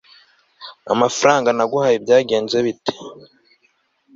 amafaranga naguhaye byagenze bite